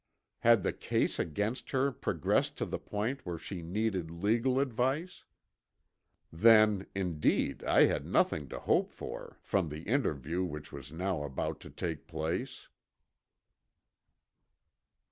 Had the case against her progressed to the point where she needed legal advice? Then, indeed I had nothing to hope for from the interview which was now about to take place.